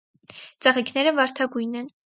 Ծաղիկները վարդագույն են։